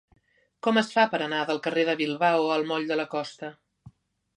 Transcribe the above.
Com es fa per anar del carrer de Bilbao al moll de la Costa?